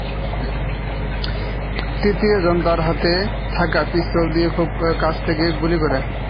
তৃতীয়জন তার হাতে থাকা পিস্তল দিয়ে খুব কাছ থেকে গুলি করে।